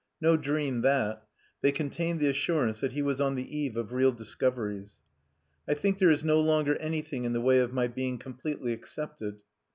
No dream that. They contained the assurance that he was on the eve of real discoveries. "I think there is no longer anything in the way of my being completely accepted."